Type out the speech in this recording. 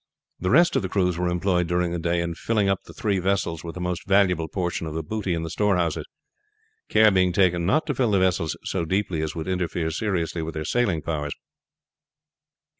The rest of the crews were employed during the day in filling up the three vessels with the most valuable portion of the booty in the storehouses, care being taken not to fill the vessels so deeply as would interfere seriously with their sailing powers.